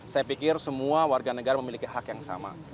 saya pikir semua warga negara memiliki hak yang sama